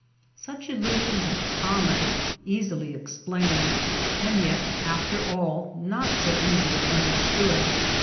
Such illusions are common, easily explained ; and yet, after all, not so easily understood.